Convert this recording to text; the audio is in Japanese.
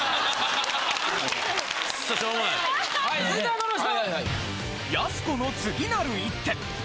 はい続いてはこの人！